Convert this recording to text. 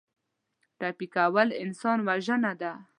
ټپي کول انسان وژنه ده.